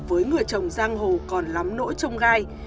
với người chồng giang hồ còn lắm nỗi trông gai